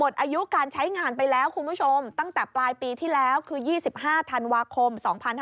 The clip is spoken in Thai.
ตั้งแต่ปลายปีที่แล้วคือ๒๕ธันวาคม๒๕๖๐